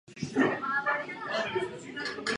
Díla Břetislava Bartoše často mají symbolický podtext.